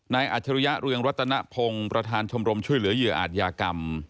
อัจฉริยะเรืองรัตนพงศ์ประธานชมรมช่วยเหลือเหยื่ออาจยากรรม